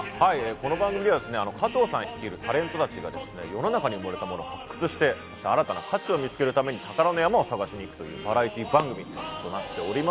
この番組は加藤さん率いるタレントたちが世の中に埋もれたものを発掘して、新たな価値を見つけるために宝の山を探しにいくバラエティー番組です。